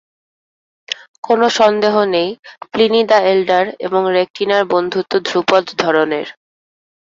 কোনো সন্দহ নেই, প্লিনি দ্য এল্ডার এবং রেকটিনার বন্ধুত্ব ধ্রুপদ ধরনের।